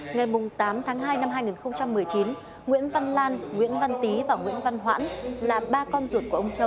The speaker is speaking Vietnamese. ngày tám tháng hai năm hai nghìn một mươi chín nguyễn văn lan nguyễn văn tý và nguyễn văn hoãn là ba con ruột của ông châu